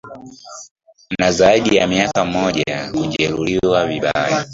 na zaidi ya mia moja kujeruhiwa vibaya